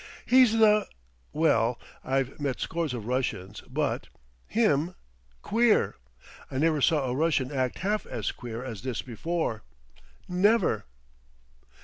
He's the well, I've met scores of Russians, but him, queer! I never saw a Russian act half as queer as this before, never!"